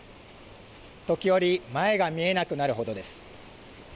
時折、前が見えなくなるほどです。